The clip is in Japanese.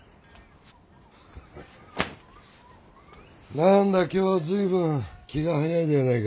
何だ今日は随分気が早いじゃないか。